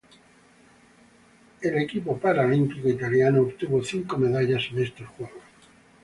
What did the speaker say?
El equipo paralímpico italiano obtuvo cinco medallas en estos Juegos.